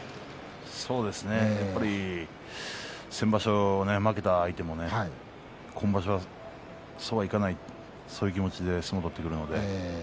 そうですね、やっぱり先場所負けた相手も今場所はそうはいかないそういう気持ちで相撲を取ってくるので。